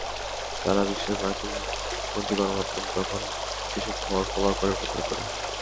সারা বিশ্বের মার্কিনপন্থী গণমাধ্যম তখন সেসব খবর ফলাও করে প্রচার করে।